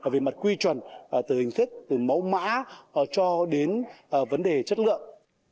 về mặt quy chuẩn từ hình thức từ mẫu mã cho đến vấn đề chất lượng